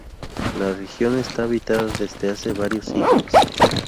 La región está habitada desde hace varios siglos.